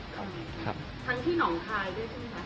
ทั้งที่หนองทายด้วยที่ไหนครับ